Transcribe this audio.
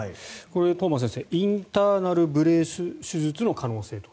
藤間先生インターナル・ブレース手術の可能性だと。